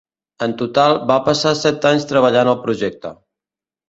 En total, va passar set anys treballant al projecte.